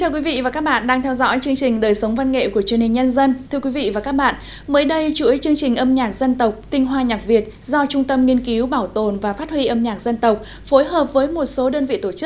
các bạn hãy đăng ký kênh để ủng hộ kênh của chúng mình nhé